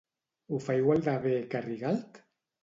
Ho fa igual de bé que Rigalt?